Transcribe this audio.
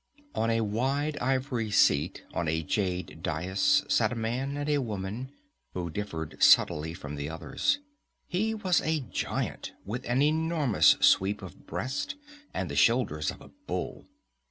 On a wide ivory seat on a jade dais sat a man and a woman who differed subtly from the others. He was a giant, with an enormous sweep of breast and the shoulders of a bull.